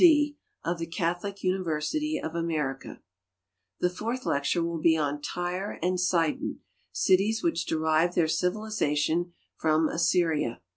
D., of the Catholic University of America. The fourth lecture will be on Tyre and Sidon, cities which derived their civilization from Assyria.